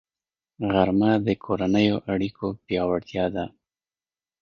غرمه د کورنیو اړیکو پیاوړتیا ده